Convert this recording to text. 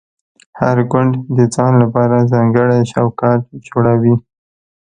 هر ګوند د ځان لپاره ځانګړی چوکاټ جوړوي